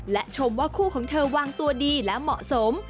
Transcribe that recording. และชมว่าคู่ของเธอวางตัวดีและเหมาะสม